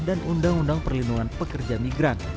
dan undang undang perlindungan pekerja migran